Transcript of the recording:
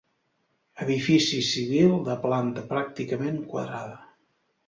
Edifici civil de planta pràcticament quadrada.